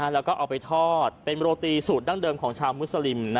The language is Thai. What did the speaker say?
แล้วก็เอาไปทอดเป็นโรตีสูตรดั้งเดิมของชาวมุสลิม